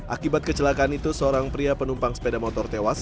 akibat kecelakaan itu seorang pria penumpang sepeda motor tewas